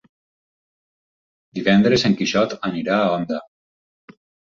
Divendres en Quixot anirà a Onda.